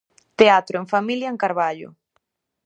Teatro en familia en Carballo.